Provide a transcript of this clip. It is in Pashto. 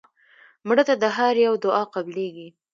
مړه ته د هر یو دعا قبلیږي